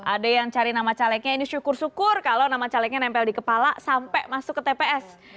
ada yang cari nama calegnya ini syukur syukur kalau nama calegnya nempel di kepala sampai masuk ke tps